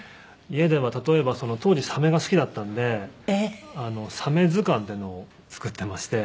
家では例えば当時サメが好きだったんでサメ図鑑っていうのを作ってまして。